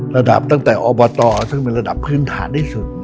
ระดับตั้งแต่อบตซึ่งเป็นระดับพื้นฐานที่สุด